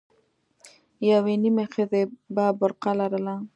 يوې نيمې ښځې به برقه لرله.